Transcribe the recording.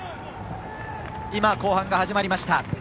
今、後半が始まりました。